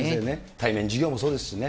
対面授業もそうですしね。